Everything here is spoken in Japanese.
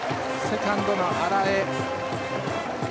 セカンドの荒江。